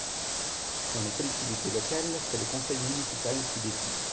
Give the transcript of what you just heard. Dans les collectivités locales, c’est le conseil municipal qui décide.